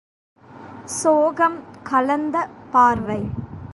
சோகம் கலந்த பார்வை.